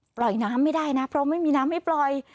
ปล่อยน้ำไม่ได้นะเพราะไม่มีน้ำไม่ปล่อย